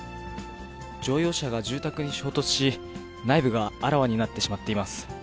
乗用車が住宅に衝突し、内部があらわになってしまっています。